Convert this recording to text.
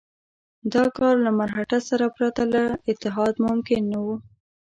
دا کار له مرهټه سره پرته له اتحاد ممکن نه وو.